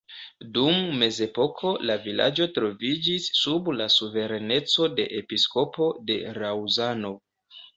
Dum mezepoko la vilaĝo troviĝis sub la suvereneco de episkopo de Laŭzano.